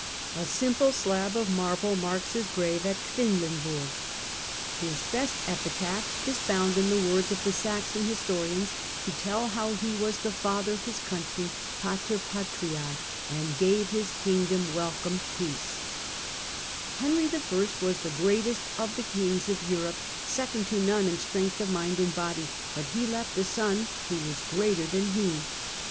A simple slab of 8 THE CENTRAL PERIOD OF THE MIDDLE AGE is found in the words of the Saxon historians, who tell how he was the father of his country {pater patrice) and gave his kingdom welcome peace. "Henry I. was the greatest of the kings of Europe, second to none in strength of mind and body, but he left a son who was greater than he."